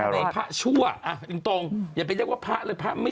ไหนพระชั่วอ่ะจริงตรงอย่าไปเรียกว่าพระเลย